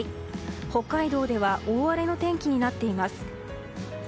北海道では大荒れの天気になっています。